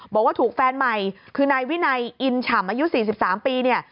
บอกว่าถูกแฟนใหม่คือนายวินัยอินฉ่ำอายุ๔๓ปีเนี่ย